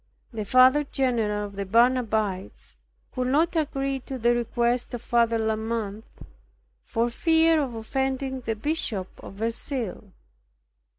The Father general of the Barnabites would not agree to the request of Father de la Mothe, for fear of offending the Bishop of Verceil.